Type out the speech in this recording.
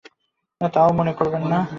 তা মনেও করিবেন না।